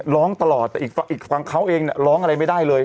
ร้องตลอดแต่อีกฝั่งเขาเองเนี่ยร้องอะไรไม่ได้เลย